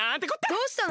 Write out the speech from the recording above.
どうしたの？